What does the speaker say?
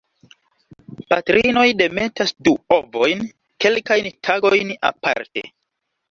Patrinoj demetas du ovojn, kelkajn tagojn aparte.